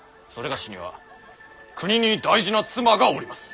某には国に大事な妻がおります！